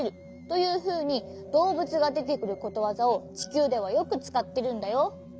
というふうにどうぶつがでてくることわざをちきゅうではよくつかってるんだよ。